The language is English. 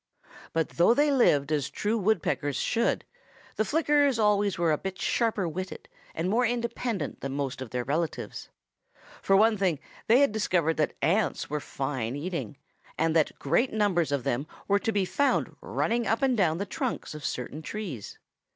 "But though they lived as true Woodpeckers should, the Flickers always were a bit sharper witted and more independent than most of their relatives. For one thing they had discovered that ants were fine eating and that great numbers of them were to be found running up and down the trunks of certain trees.